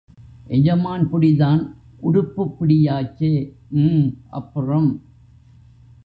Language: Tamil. எஜமான் புடிதான் உடுப்புப் புடியாச்சே ம் அப்புறம்?